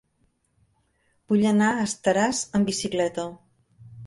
Vull anar a Estaràs amb bicicleta.